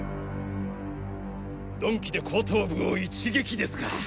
鈍器で後頭部を一撃ですか。